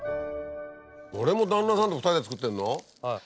これも旦那さんと２人で作ってんの？